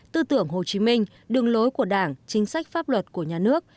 tư tưởng hồ chí minh đường lối của đảng chính sách pháp luật của nhà nước